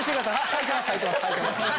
はいてます。